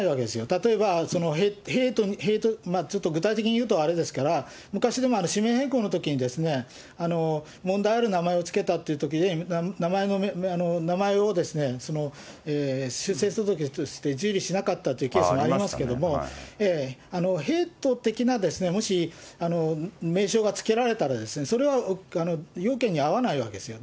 例えば、ちょっと具体的に言うとあれですから、昔、氏名変更のときに、問題ある名前を付けたっていうときに、名前を修正届として受理しなかったというケースもありますけれども、ヘイト的なもし、名称がつけられたら、それは要件に合わないわけですよ。